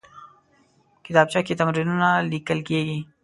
کتابچه کې تمرینونه لیکل کېږي